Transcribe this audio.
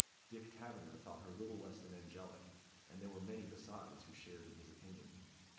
Dick Taverner thought her little less than angelic, and there were many besides who shared in his opinion.